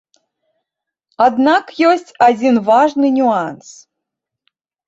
Аднак ёсць адзін важны нюанс.